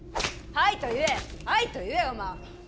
はいと言え、はいと言え、お万！